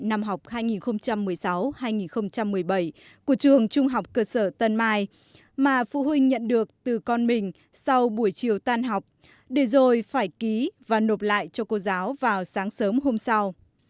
đây là tờ biên bản thống nhất các khoản thuận năm học hai nghìn một mươi sáu hai nghìn một mươi bảy của trường trung học cơ sở tân mai mà phụ huynh nhận được từ con mình sau buổi chiều tan học để rồi phải ký và nộp lại cho cô giáo vào sáng sớm hôm sau